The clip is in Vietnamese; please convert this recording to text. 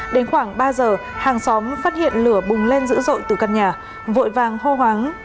đến khoảng ba giờ hàng xóm phát hiện lửa bùng lên dữ dội từ căn nhà vội vàng hô hoáng